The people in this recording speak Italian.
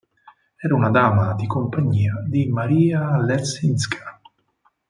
Era una dama di compagnia di Maria Leszczyńska.